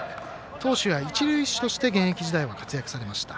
投手や一塁手として現役時代は活躍されました。